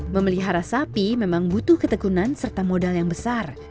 memelihara sapi memang butuh ketekunan serta modal yang besar